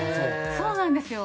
そうなんですよ。